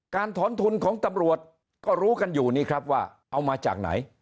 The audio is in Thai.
ถอนทุนของตำรวจก็รู้กันอยู่นี่ครับว่าเอามาจากไหน